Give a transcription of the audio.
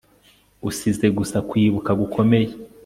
Usize gusa kwibuka gukomeye